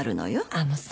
あのさ。